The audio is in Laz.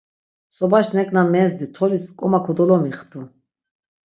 Sobaş neǩna mezdi, tolis ǩoma kodolomixtu.